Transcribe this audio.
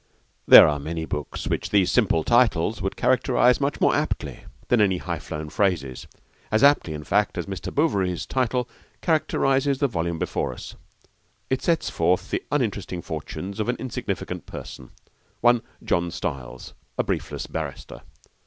There are many books which these simple titles would characterise much more aptly than any high flown phrases as aptly, in fact, as Mr. Bouverie's title characterises the volume before us. It sets forth the uninteresting fortunes of an insignificant person, one John Stiles, a briefless barrister.